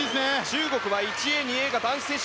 中国は１泳、２泳が男子選手。